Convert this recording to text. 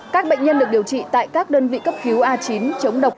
các bệnh nhân được điều trị tại các đơn vị cấp cứu a chín chống độc